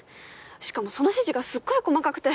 しかもその指示がすっごい細かくて。